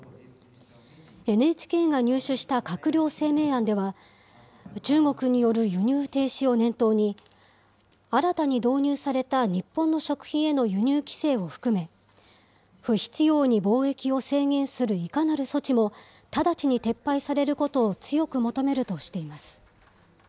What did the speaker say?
ＮＨＫが入手した閣僚声明案では、中国による輸入停止を念頭に、新たに導入された日本の食品への輸入規制を含め、不必要に貿易を制限するいかなる措置も、直ちに撤廃されることを強く求めるとしています。